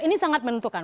ini sangat menentukan